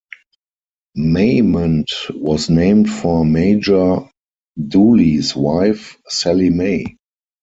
Maymont was named for Major Dooley's wife, Sallie May.